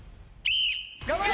頑張れ！